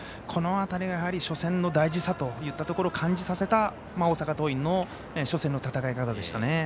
この辺りがやはり初戦の大事さといったところを感じさせた大阪桐蔭の初戦の戦い方でしたね。